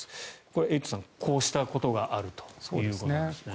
これはエイトさんこうしたことがあるということですね。